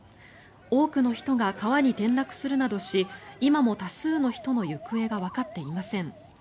多くの人が川に転落するなどし今も多数の人の行方がわかっていません。